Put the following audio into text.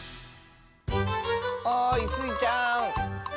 おいスイちゃん。